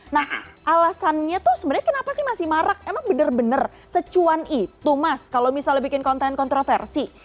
nah alasannya tuh sebenarnya kenapa sih masih marak emang bener bener secuan itu mas kalau misalnya bikin konten kontroversi